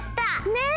ねえ！